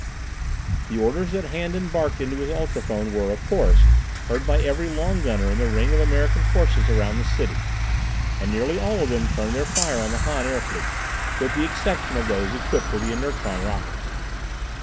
The orders that Handan barked into his ultrophone were, of course, heard by every long gunner in the ring of American forces around the city, and nearly all of them turned their fire on the Han airfleet, with the exception of those equipped with the inertron rockets.